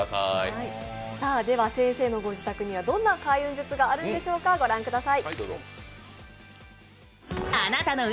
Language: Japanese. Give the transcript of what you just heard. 先生のご自宅にはどんな開運術があるんでしょうか、御覧ください。